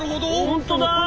本当だ！